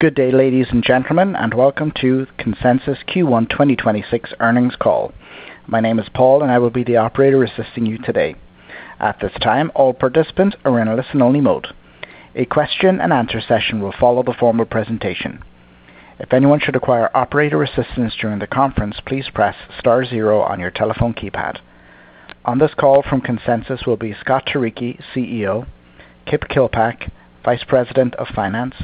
Good day, ladies and gentlemen, and welcome to Consensus Q1 2026 earnings call. My name is Paul, and I will be the operator assisting you today. At this time, all participants are in a listen-only mode. A question-and-answer session will follow the formal presentation. If anyone should require operator assistance during the conference, please press star zero on your telephone keypad. On this call from Consensus will be Scott Turicchi, CEO, Kip Killpack, Vice President of Finance,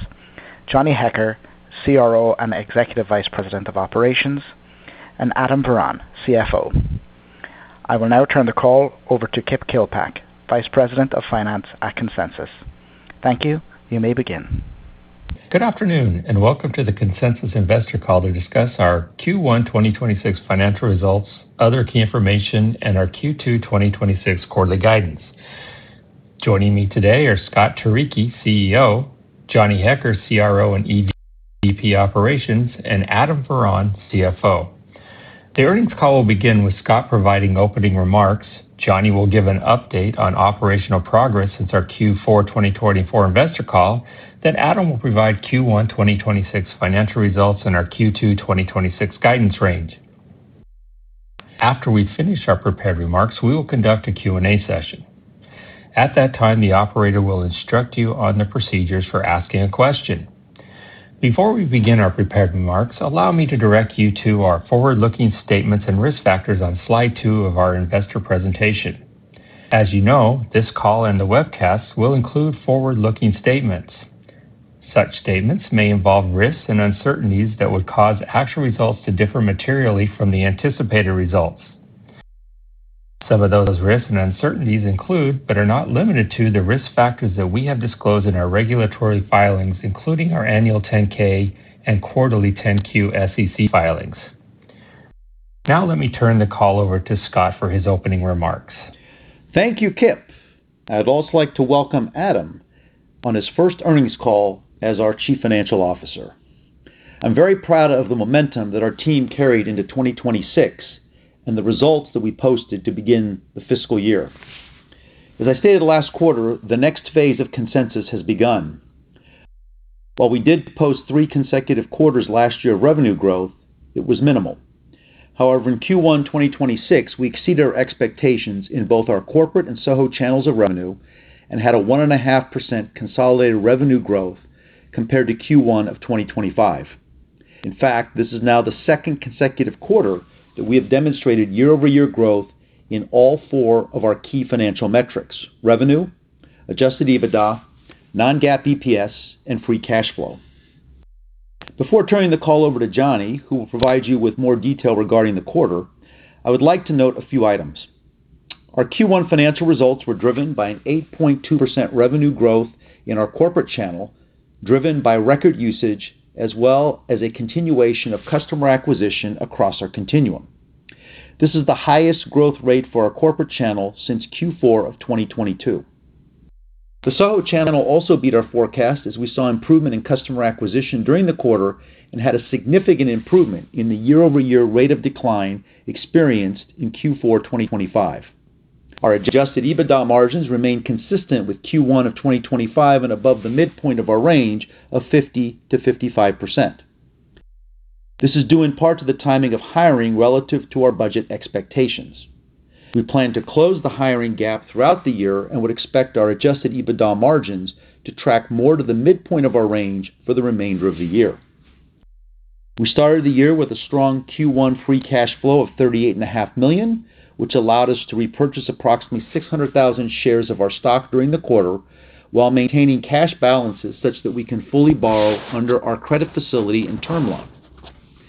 Johnny Hecker, CRO and Executive Vice President of Operations, and Adam Varon, CFO. I will now turn the call over to Kip Killpack, Vice President of Finance at Consensus. Thank you. You may begin. Good afternoon, and welcome to the Consensus investor call to discuss our Q1 2026 financial results, other key information, and our Q2 2026 quarterly guidance. Joining me today are Scott Turicchi, CEO, Johnny Hecker, CRO and EVP Operations, and Adam Varon, CFO. The earnings call will begin with Scott providing opening remarks. Johnny will give an update on operational progress since our Q4 2024 investor call. Adam will provide Q1 2026 financial results and our Q2 2026 guidance range. After we finish our prepared remarks, we will conduct a Q&A session. At that time, the operator will instruct you on the procedures for asking a question. Before we begin our prepared remarks, allow me to direct you to our forward-looking statements and risk factors on Slide two of our investor presentation. As you know, this call and the webcast will include forward-looking statements. Such statements may involve risks and uncertainties that would cause actual results to differ materially from the anticipated results. Some of those risks and uncertainties include, but are not limited to, the Risk Factors that we have disclosed in our regulatory filings, including our annual 10-K and quarterly 10-Q SEC filings. Now let me turn the call over to Scott for his opening remarks. Thank you, Kip. I'd also like to welcome Adam on his first earnings call as our Chief Financial Officer. I'm very proud of the momentum that our team carried into 2026 and the results that we posted to begin the fiscal year. As I stated last quarter, the next phase of Consensus has begun. While we did post three consecutive quarters last year of revenue growth, it was minimal. However, in Q1 2026, we exceeded our expectations in both our corporate and SoHo channels of revenue and had a 1.5% consolidated revenue growth compared to Q1 of 2025. In fact, this is now the second consecutive quarter that we have demonstrated year-over-year growth in all four of our key financial metrics: revenue, adjusted EBITDA, non-GAAP EPS, and free cash flow. Before turning the call over to Johnny, who will provide you with more detail regarding the quarter, I would like to note a few items. Our Q1 financial results were driven by an 8.2% revenue growth in our corporate channel, driven by record usage as well as a continuation of customer acquisition across our continuum. This is the highest growth rate for our corporate channel since Q4 of 2022. The SoHo channel also beat our forecast as we saw improvement in customer acquisition during the quarter and had a significant improvement in the year-over-year rate of decline experienced in Q4 2025. Our adjusted EBITDA margins remain consistent with Q1 of 2025 and above the midpoint of our range of 50%-55%. This is due in part to the timing of hiring relative to our budget expectations. We plan to close the hiring gap throughout the year and would expect our adjusted EBITDA margins to track more to the midpoint of our range for the remainder of the year. We started the year with a strong Q1 free cash flow of $38.5 million, which allowed us to repurchase approximately 600,000 shares of our stock during the quarter while maintaining cash balances such that we can fully borrow under our credit facility and term loan.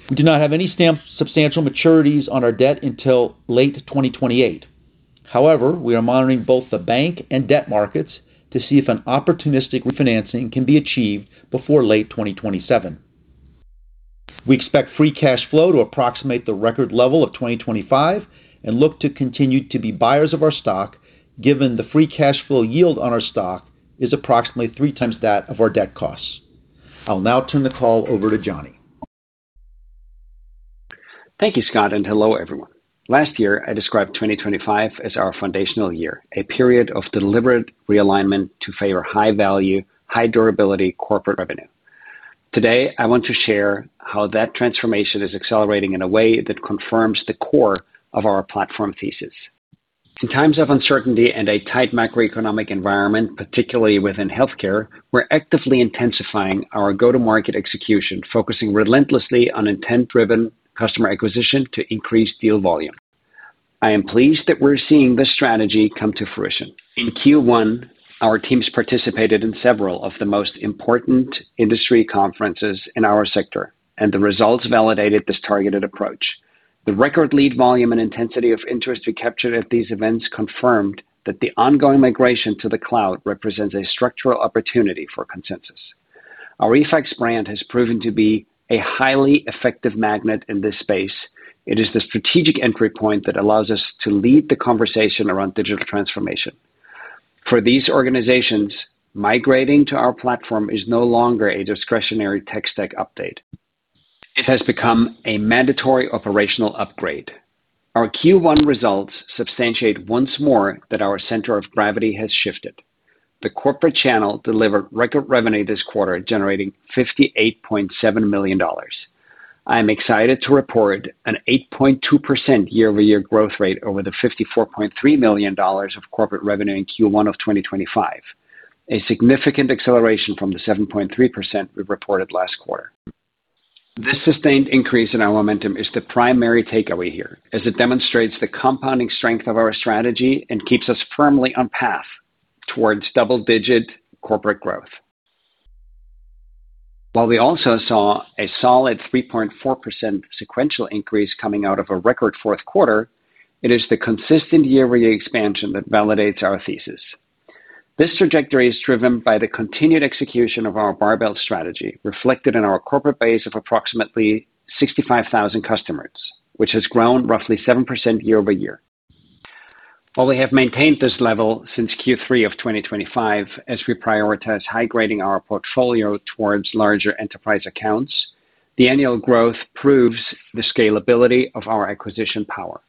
We do not have any substantial maturities on our debt until late 2028. We are monitoring both the bank and debt markets to see if an opportunistic refinancing can be achieved before late 2027. We expect free cash flow to approximate the record level of 2025 and look to continue to be buyers of our stock, given the free cash flow yield on our stock is approximately 3x that of our debt costs. I'll now turn the call over to Johnny. Thank you, Scott, and hello, everyone. Last year, I described 2025 as our foundational year, a period of deliberate realignment to favor high-value, high-durability corporate revenue. Today, I want to share how that transformation is accelerating in a way that confirms the core of our platform thesis. In times of uncertainty and a tight macroeconomic environment, particularly within healthcare, we're actively intensifying our go-to-market execution, focusing relentlessly on intent-driven customer acquisition to increase deal volume. I am pleased that we're seeing this strategy come to fruition. In Q1, our teams participated in several of the most important industry conferences in our sector, and the results validated this targeted approach. The record lead volume and intensity of interest we captured at these events confirmed that the ongoing migration to the cloud represents a structural opportunity for Consensus. Our eFax brand has proven to be a highly effective magnet in this space. It is the strategic entry point that allows us to lead the conversation around digital transformation. For these organizations, migrating to our platform is no longer a discretionary tech stack update. It has become a mandatory operational upgrade. Our Q1 results substantiate once more that our center of gravity has shifted. The corporate channel delivered record revenue this quarter, generating $58.7 million. I am excited to report an 8.2% year-over-year growth rate over the $54.3 million of corporate revenue in Q1 of 2025, a significant acceleration from the 7.3% we reported last quarter. This sustained increase in our momentum is the primary takeaway here, as it demonstrates the compounding strength of our strategy and keeps us firmly on path towards double-digit corporate growth. While we also saw a solid 3.4% sequential increase coming out of a record fourth quarter, it is the consistent year-over-year expansion that validates our thesis. This trajectory is driven by the continued execution of our barbell strategy, reflected in our corporate base of approximately 65,000 customers, which has grown roughly 7% year-over-year. While we have maintained this level since Q3 of 2025 as we prioritize high-grading our portfolio towards larger enterprise accounts, the annual growth proves the scalability of our acquisition power.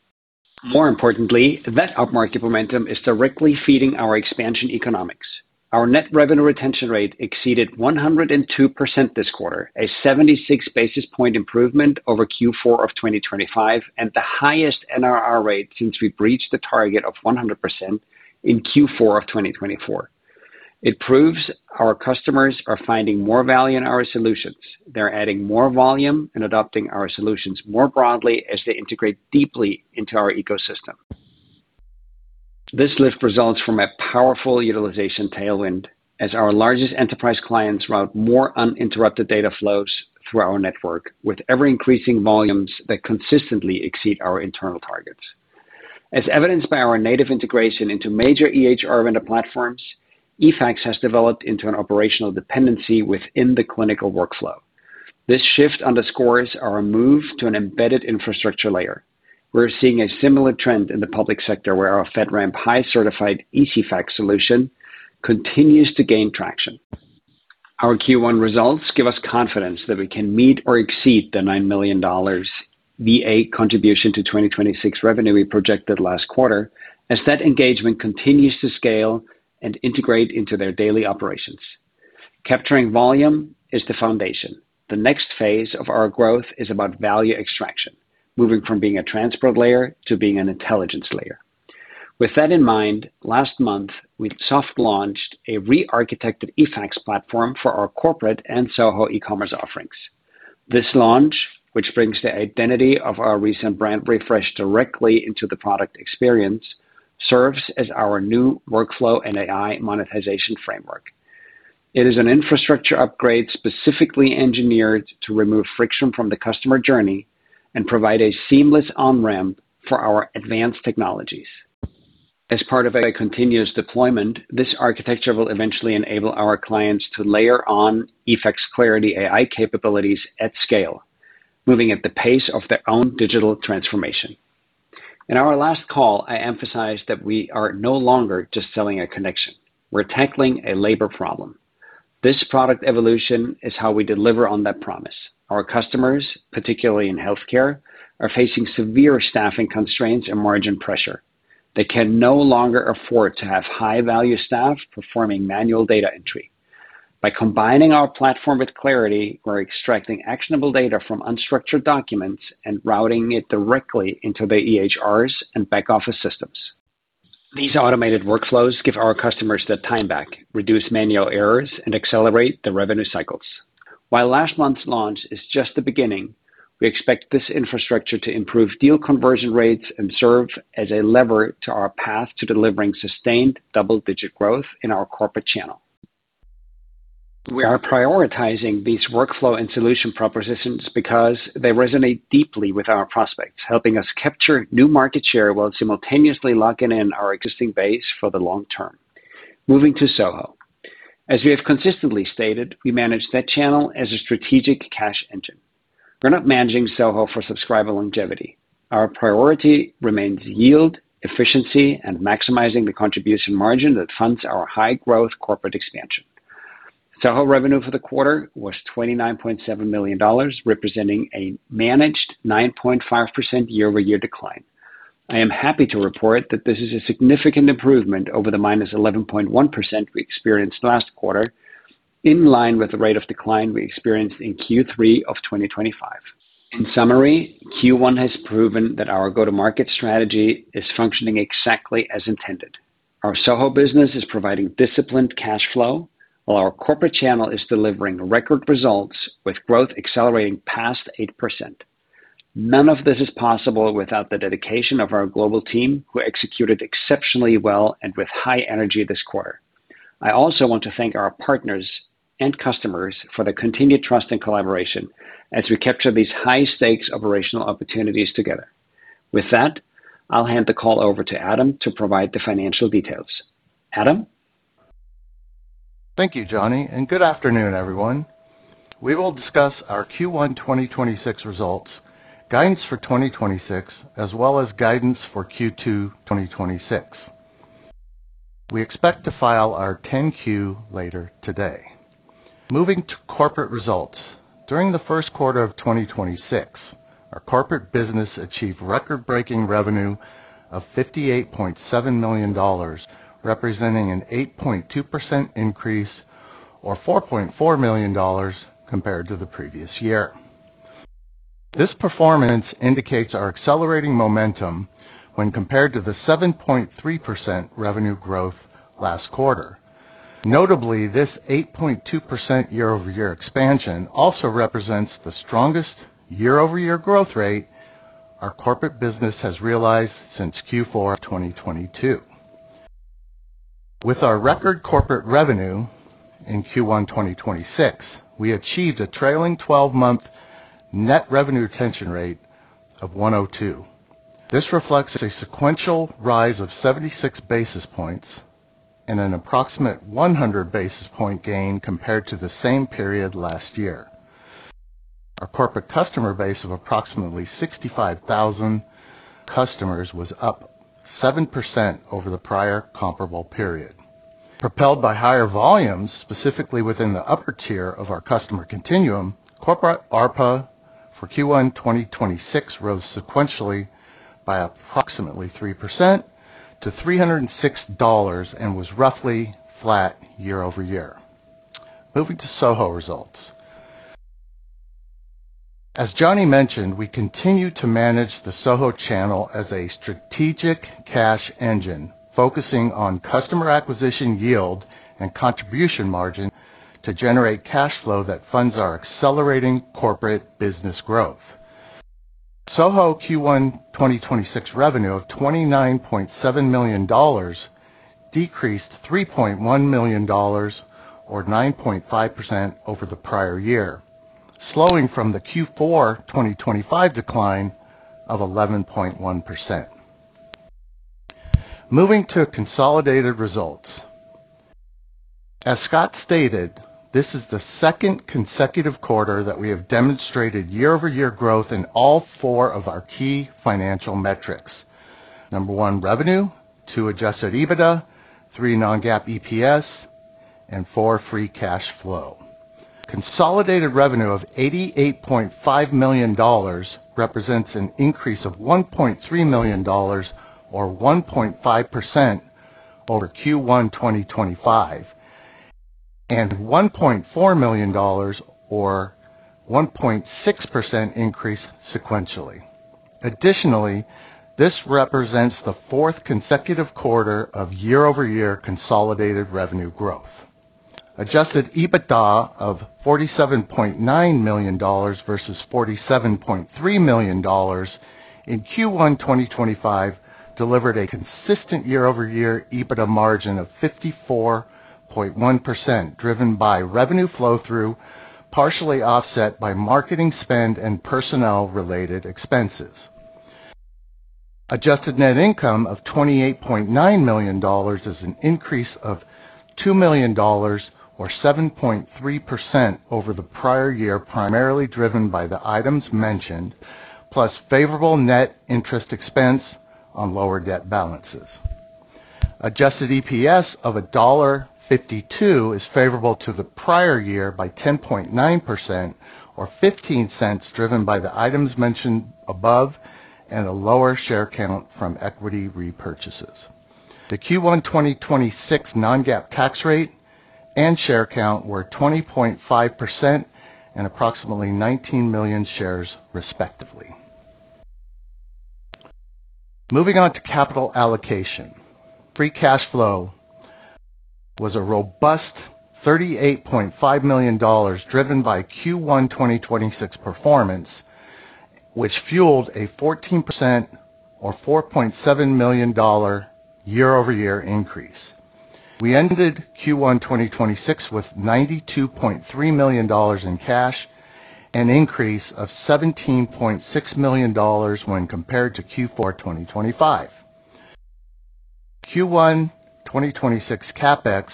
More importantly, that upmarket momentum is directly feeding our expansion economics. Our net revenue retention rate exceeded 102% this quarter, a 76 basis point improvement over Q4 of 2025, and the highest NRR rate since we breached the target of 100% in Q4 of 2024. It proves our customers are finding more value in our solutions. They're adding more volume and adopting our solutions more broadly as they integrate deeply into our ecosystem. This lift results from a powerful utilization tailwind as our largest enterprise clients route more uninterrupted data flows through our network with ever-increasing volumes that consistently exceed our internal targets. As evidenced by our native integration into major EHR vendor platforms, eFax has developed into an operational dependency within the clinical workflow. This shift underscores our move to an embedded infrastructure layer. We're seeing a similar trend in the public sector where our FedRAMP High-certified ECFax solution continues to gain traction. Our Q1 results give us confidence that we can meet or exceed the $9 million VA contribution to 2026 revenue we projected last quarter as that engagement continues to scale and integrate into their daily operations. Capturing volume is the foundation. The next phase of our growth is about value extraction, moving from being a transport layer to being an intelligence layer. With that in mind, last month, we soft launched a rearchitected eFax platform for our corporate and SoHo e-commerce offerings. This launch, which brings the identity of our recent brand refresh directly into the product experience, serves as our new workflow and AI monetization framework. It is an infrastructure upgrade specifically engineered to remove friction from the customer journey and provide a seamless on-ramp for our advanced technologies. As part of a continuous deployment, this architecture will eventually enable our clients to layer on eFax Clarity AI capabilities at scale, moving at the pace of their own digital transformation. In our last call, I emphasized that we are no longer just selling a connection. We're tackling a labor problem. This product evolution is how we deliver on that promise. Our customers, particularly in healthcare, are facing severe staffing constraints and margin pressure. They can no longer afford to have high-value staff performing manual data entry. By combining our platform with Clarity, we're extracting actionable data from unstructured documents and routing it directly into the EHRs and back-office systems. These automated workflows give our customers their time back, reduce manual errors, and accelerate the revenue cycles. While last month's launch is just the beginning, we expect this infrastructure to improve deal conversion rates and serve as a lever to our path to delivering sustained double-digit growth in our Corporate channel. We are prioritizing these workflow and solution propositions because they resonate deeply with our prospects, helping us capture new market share while simultaneously locking in our existing base for the long-term. Moving to SoHo. As we have consistently stated, we manage that channel as a strategic cash engine. We're not managing SoHo for subscriber longevity. Our priority remains yield, efficiency, and maximizing the contribution margin that funds our high-growth corporate expansion. SOHO revenue for the quarter was $29.7 million, representing a managed 9.5% year-over-year decline. I am happy to report that this is a significant improvement over the -11.1% we experienced last quarter, in line with the rate of decline we experienced in Q3 of 2025. In summary, Q1 has proven that our go-to-market strategy is functioning exactly as intended. Our SoHo business is providing disciplined cash flow, while our Corporate channel is delivering record results with growth accelerating past 8%. None of this is possible without the dedication of our global team, who executed exceptionally well and with high energy this quarter. I also want to thank our partners and customers for their continued trust and collaboration as we capture these high-stakes operational opportunities together. I'll hand the call over to Adam to provide the financial details. Adam? Thank you, Johnny. Good afternoon, everyone. We will discuss our Q1 2026 results, guidance for 2026, as well as guidance for Q2 2026. We expect to file our 10-Q later today. Moving to corporate results. During the first quarter of 2026, our Corporate business achieved record-breaking revenue of $58.7 million, representing an 8.2% increase or $4.4 million compared to the previous year. This performance indicates our accelerating momentum when compared to the 7.3% revenue growth last quarter. This 8.2% year-over-year expansion also represents the strongest year-over-year growth rate our Corporate business has realized since Q4 2022. With our record corporate revenue in Q1 2026, we achieved a trailing twelve-month net revenue retention rate of 102. This reflects a sequential rise of 76 basis points and an approximate 100 basis point gain compared to the same period last year. Our corporate customer base of approximately 65,000 customers was up 7% over the prior comparable period. Propelled by higher volumes, specifically within the upper tier of our customer continuum, corporate ARPA for Q1 2026 rose sequentially by approximately 3% to $306 and was roughly flat year-over-year. Moving to SOHO results. As Johnny mentioned, we continue to manage the SoHo channel as a strategic cash engine, focusing on customer acquisition yield and contribution margin to generate cash flow that funds our accelerating Corporate business growth. SoHo Q1 2026 revenue of $29.7 million decreased $3.1 million or 9.5% over the prior year, slowing from the Q4 2025 decline of 11.1%. Moving to consolidated results. As Scott stated, this is the second consecutive quarter that we have demonstrated year-over-year growth in all four of our key financial metrics. Number one, revenue. Two, adjusted EBITDA. Three, non-GAAP EPS. Four, free cash flow. Consolidated revenue of $88.5 million represents an increase of $1.3 million or 1.5% over Q1 2025, and $1.4 million or 1.6% increase sequentially. Additionally, this represents the fourth consecutive quarter of year-over-year consolidated revenue growth. Adjusted EBITDA of $47.9 million versus $47.3 million in Q1 2025 delivered a consistent year-over-year EBITDA margin of 54.1%, driven by revenue flow-through, partially offset by marketing spend and personnel-related expenses. Adjusted net income of $28.9 million is an increase of $2 million or 7.3% over the prior year, primarily driven by the items mentioned, plus favorable net interest expense on lower debt balances. Adjusted EPS of $1.52 is favorable to the prior year by 10.9% or $0.15, driven by the items mentioned above and a lower share count from equity repurchases. The Q1 2026 non-GAAP tax rate and share count were 20.5% and approximately 19 million shares, respectively. Moving on to capital allocation. Free cash flow was a robust $38.5 million, driven by Q1 2026 performance, which fueled a 14% or $4.7 million year-over-year increase. We ended Q1 2026 with $92.3 million in cash, an increase of $17.6 million when compared to Q4 2025. Q1 2026 CapEx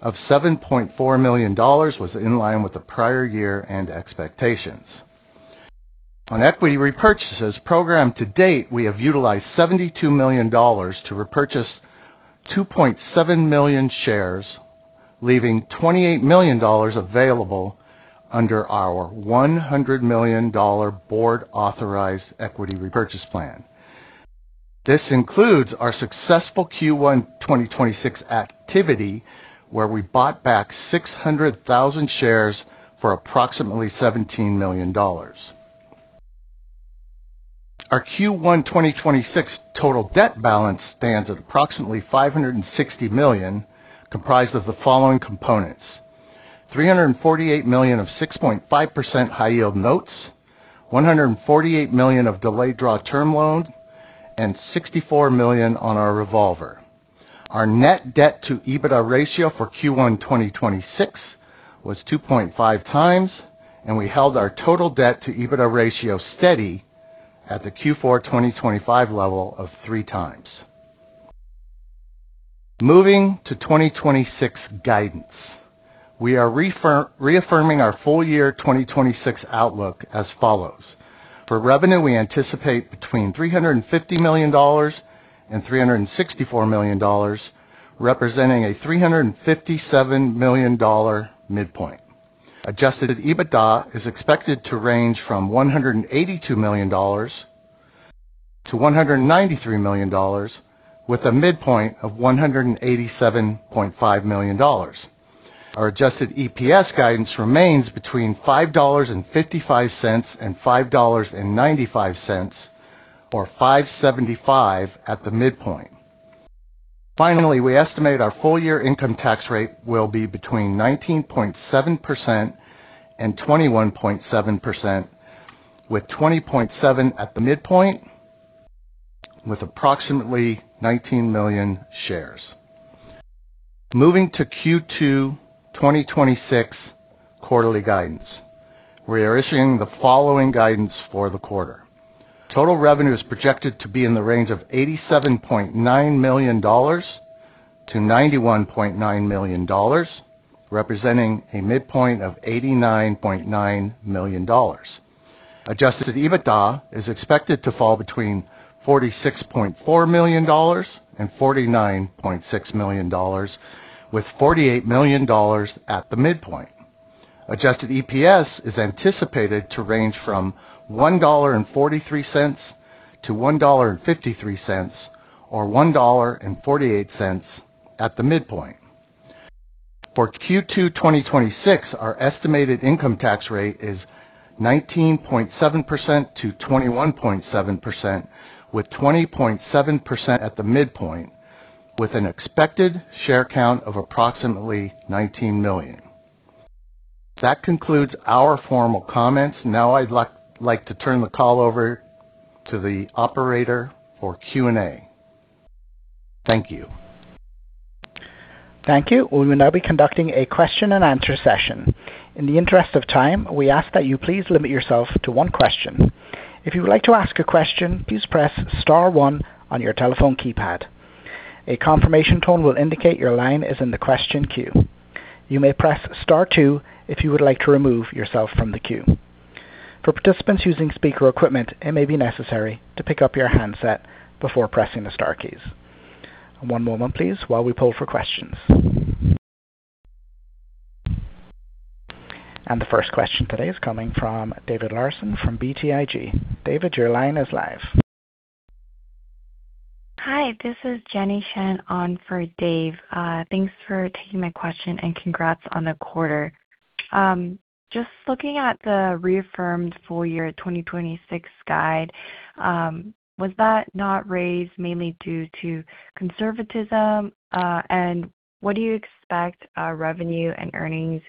of $7.4 million was in line with the prior year and expectations. On equity repurchases programmed to date, we have utilized $72 million to repurchase 2.7 million shares, leaving $28 million available under our $100 million board-authorized equity repurchase plan. This includes our successful Q1 2026 activity, where we bought back 600,000 shares for approximately $17 million. Our Q1 2026 total debt balance stands at approximately $560 million, comprised of the following components: $348 million of 6.5% high-yield notes, $148 million of delayed draw term loan, and $64 million on our revolver. Our net debt to EBITDA ratio for Q1 2026 was 2.5x, and we held our total debt to EBITDA ratio steady at the Q4 2025 level of 3x. Moving to 2026 guidance We are reaffirming our full-year 2026 outlook as follows. For revenue, we anticipate between $350 million and $364 million, representing a $357 million midpoint. Adjusted EBITDA is expected to range from $182 million-$193 million with a midpoint of $187.5 million. Our adjusted EPS guidance remains between $5.55 and $5.95, or $5.75 at the midpoint. Finally, we estimate our full-year income tax rate will be between 19.7% and 21.7% with 20.7% at the midpoint with approximately 19 million shares. Moving to Q2, 2026 quarterly guidance. We are issuing the following guidance for the quarter. Total revenue is projected to be in the range of $87.9 million-$91.9 million, representing a midpoint of $89.9 million. Adjusted EBITDA is expected to fall between $46.4 million and $49.6 million with $48 million at the midpoint. Adjusted EPS is anticipated to range from $1.43-$1.53, or $1.48 at the midpoint. For Q2, 2026, our estimated income tax rate is 19.7%-21.7% with 20.7% at the midpoint, with an expected share count of approximately 19 million. That concludes our formal comments. Now I'd like to turn the call over to the operator for Q&A. Thank you. Thank you. We will now be conducting a question-and-answer session. In the interest of time, we ask that you please limit yourself to one question. If you would like to ask a question please press star one on your telephone keypad. A confirmation tone will indicate your line is in the question queue. You may press star two if you would like to remove yourself from the queue. For participants using speaker equipment, it may be necessary to pick up your handset before pressing the star keys. One moment please while we pull for question. The first question today is coming from David Larsen from BTIG. David, your line is live. Hi, this is Jenny Shen on for Dave. Thanks for taking my question, congrats on the quarter. Just looking at the reaffirmed full-year 2026 guide, was that not raised mainly due to conservatism? What do you expect our revenue and earnings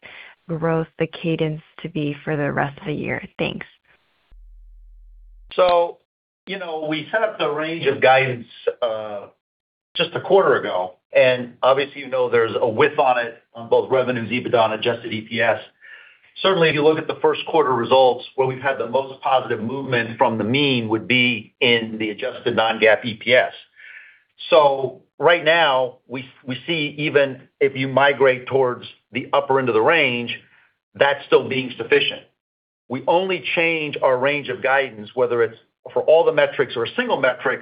growth, the cadence to be for the rest of the year? Thanks. You know, we set up the range of guidance just a quarter ago, and obviously, you know there's a width on it on both revenue and EBITDA and adjusted EPS. Certainly, if you look at the first quarter results, where we've had the most positive movement from the mean would be in the adjusted non-GAAP EPS. Right now we see even if you migrate towards the upper end of the range, that still being sufficient. We only change our range of guidance, whether it's for all the metrics or a single metric,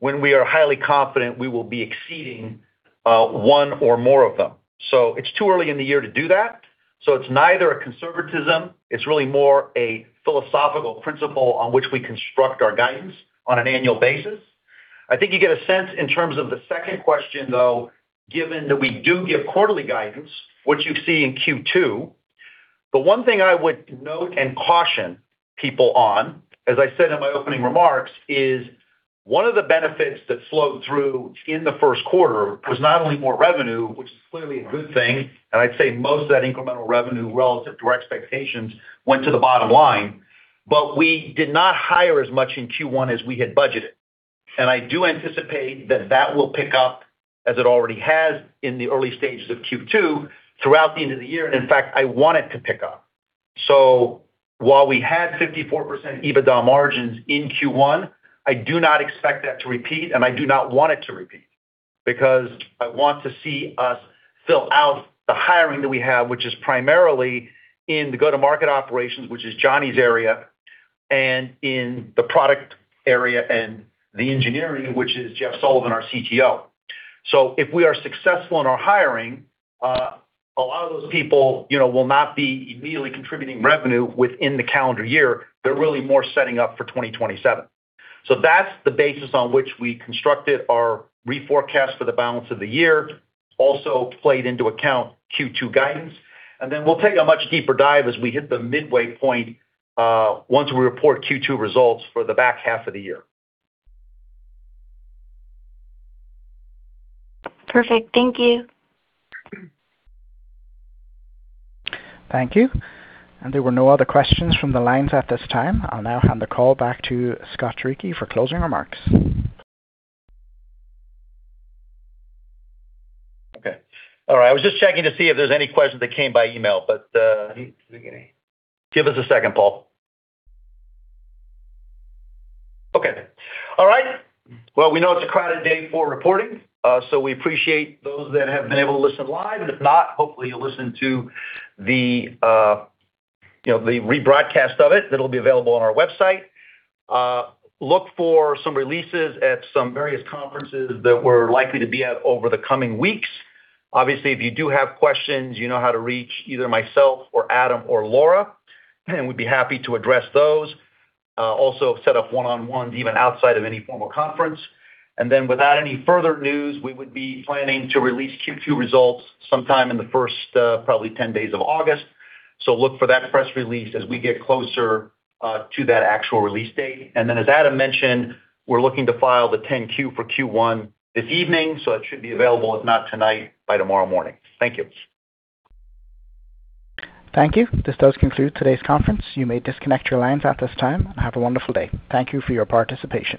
when we are highly confident we will be exceeding one or more of them. It's too early in the year to do that. It's neither a conservatism, it's really more a philosophical principle on which we construct our guidance on an annual basis. I think you get a sense in terms of the second question, though, given that we do give quarterly guidance, which you see in Q2. The one thing I would note and caution people on, as I said in my opening remarks, is one of the benefits that flowed through in the first quarter was not only more revenue, which is clearly a good thing, and I'd say most of that incremental revenue relative to our expectations went to the bottom line. We did not hire as much in Q1 as we had budgeted. I do anticipate that that will pick up as it already has in the early stages of Q2 throughout the end of the year. In fact, I want it to pick up. While we had 54% EBITDA margins in Q1, I do not expect that to repeat, and I do not want it to repeat, because I want to see us fill out the hiring that we have, which is primarily in the go-to-market operations, which is Johnny's area and in the product area and the engineering, which is Jeff Sullivan, our CTO. If we are successful in our hiring, a lot of those people, you know, will not be immediately contributing revenue within the calendar year. They're really more setting up for 2027. That's the basis on which we constructed our reforecast for the balance of the year, also played into account Q2 guidance. We'll take a much deeper dive as we hit the midway point, once we report Q2 results for the back half of the year. Perfect. Thank you. Thank you. There were no other questions from the lines at this time. I'll now hand the call back to Scott Turicchi for closing remarks. Okay. All right. I was just checking to see if there's any questions that came by email, but give us a second, Paul. Okay. All right. Well, we know it's a crowded day for reporting, we appreciate those that have been able to listen live. If not, hopefully you'll listen to the, you know, the rebroadcast of it that'll be available on our website. Look for some releases at some various conferences that we're likely to be at over the coming weeks. Obviously, if you do have questions, you know how to reach either myself or Adam or Laura, we'd be happy to address those. Also set up one-on-ones even outside of any formal conference. Without any further news, we would be planning to release Q2 results sometime in the first, probably 10 days of August. Look for that press release as we get closer to that actual release date. As Adam mentioned, we're looking to file the 10-Q for Q1 this evening, so it should be available if not tonight by tomorrow morning. Thank you. Thank you. This does conclude today's conference. You may disconnect your lines at this time. Have a wonderful day. Thank you for your participation.